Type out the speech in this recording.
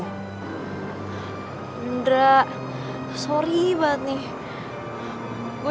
kamu mau kan jadi pacar aku